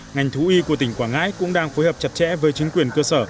ngành thú y của tỉnh quảng ngãi cũng đang phối hợp chặt chẽ với chính quyền cơ sở